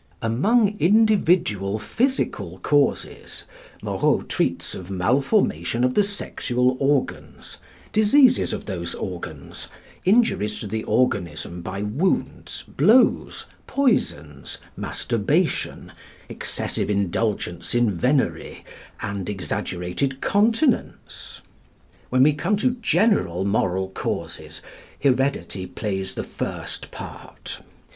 Among "Individual Physical Causes," Moreau treats of malformation of the sexual organs, diseases of those organs, injuries to the organism by wounds, blows, poisons, masturbation, excessive indulgence in venery, and exaggerated continence. When we come to "General Moral Causes," heredity plays the first part.